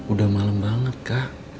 udah malem banget kak